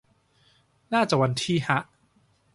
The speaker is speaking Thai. น่าจะวันที่ ฮะ